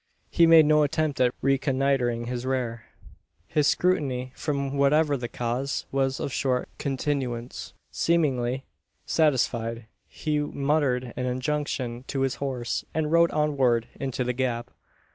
He made no attempt at reconnoitring his rear. His scrutiny, from whatever cause, was of short continuance. Seemingly satisfied, he muttered an injunction to his horse, and rode onward into the gap.